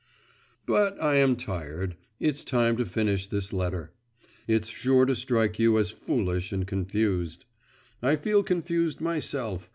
But I am tired; it's high time to finish this letter. It's sure to strike you as foolish and confused. I feel confused myself.